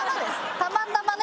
たまたまね。